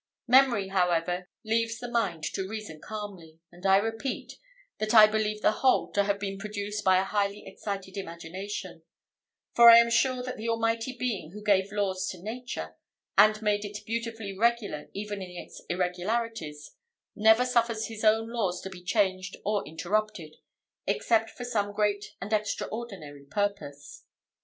Memory, however, leaves the mind to reason calmly; and I repeat, that I believe the whole to have been produced by a highly excited imagination; for I am sure that the Almighty Being who gave laws to nature, and made it beautifully regular even in its irregularities, never suffers his own laws to be changed or interrupted, except for some great and extraordinary purpose.